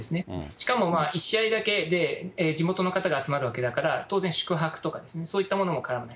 しかも１試合だけで、地元の方が集まるわけだから、当然、宿泊とか、そういったものも絡まない。